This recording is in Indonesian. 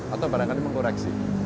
atau barangkali mengoreksi